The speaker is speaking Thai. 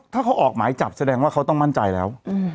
ถ้าเขาออกหมายจับแสดงว่าเขาต้องมั่นใจแล้ว